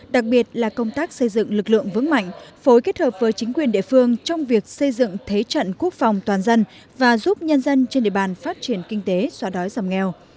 đặc biệt là công tác xây dựng lực lượng vững mạnh phối kết hợp với chính quyền địa phương trong việc xây dựng thế trận quốc phòng toàn dân và giúp nhân dân trên địa bàn phát triển kinh tế xóa đói giảm nghèo